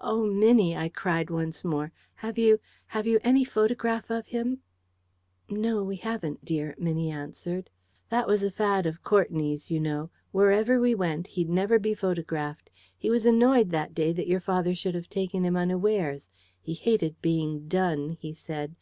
"Oh, Minnie!" I cried once more, "have you ... have you any photograph of him?" "No, we haven't, dear," Minnie answered. "That was a fad of Courtenay's, you know. Wherever he went, he'd never be photographed. He was annoyed that day that your father should have taken him unawares. He hated being 'done,' he said.